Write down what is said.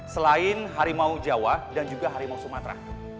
selain harimau jawa dan juga harimau sumatera